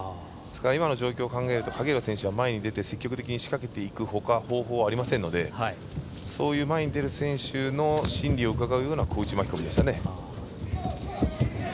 今の状況を考えると前に出て積極的に仕掛けていくほか方法はありませんので前に出る選手の心理をうかがうような小内巻き込みでした。